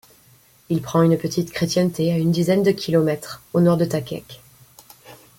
Il prend une petite chrétienté à une dizaine de kilomètres au nord de Thakhek.